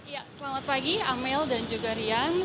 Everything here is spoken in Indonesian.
ya selamat pagi amel dan juga rian